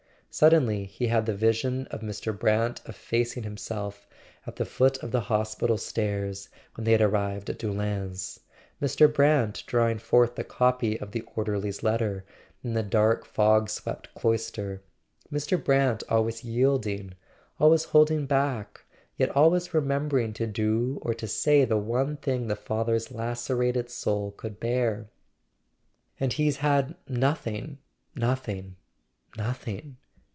Sud¬ denly he had the vision of Mr. Brant effacing him¬ self at the foot of the hospital stairs when they had arrived at Doullens; Mr. Brant drawing forth the copy of the orderly's letter in the dark fog swept cloister; Mr. Brant always yielding, always holding back, yet always remembering to do or to say the one thing the father's lacerated soul could bear. "And he's had nothing—nothing—nothing